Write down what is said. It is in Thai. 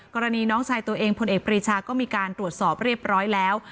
กรณีน้องชายตัวเองพลเอกปรีชาก็มีการตรวจสอบเรียบร้อยแล้ว